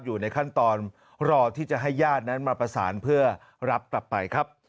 อยู่ในขั้นตอนรอที่จะให้ญาตินั้นมาประสานเพื่อรับกลับไปครับ